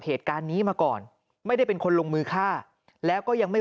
เหตุการณ์นี้มาก่อนไม่ได้เป็นคนลงมือฆ่าแล้วก็ยังไม่